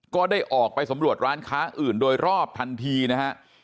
ก็ได้ออกไปสำรวจร้านค้าอื่นโดยรอบทันทีนะฮะ